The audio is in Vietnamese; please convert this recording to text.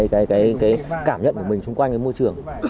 cảm nhận của mình xung quanh môi trường